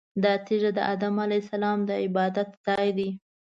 دا تیږه د ادم علیه السلام د عبادت ځای دی.